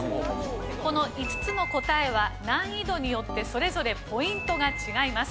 この５つの答えは難易度によってそれぞれポイントが違います。